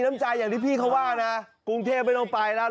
ดูสิ้นช่องเข้าห้ามงานทำไมอะ